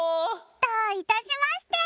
どういたしまして。